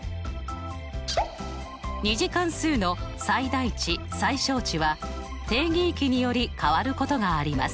２次関数の最大値・最小値は定義域により変わることがあります。